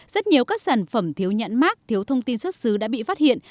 rất nhiều các sản phẩm thiếu nhãn mát thiếu thông tin xuất xứ đã bị phát hiện